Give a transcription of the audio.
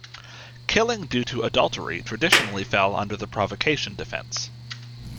Killing due to adultery traditionally fell under the provocation defense.